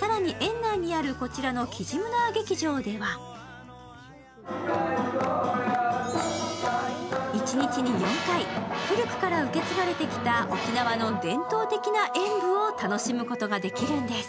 更に園内にあるこちらのきじむなぁ劇場では一日４回、古くから受け継がれてきた沖縄の伝統的な演舞を楽しむことができるんです。